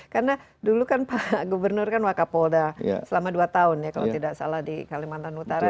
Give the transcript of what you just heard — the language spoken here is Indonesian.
karena dulu kan pak gubernur kan wakapolda selama dua tahun ya kalau tidak salah di kalimantan utara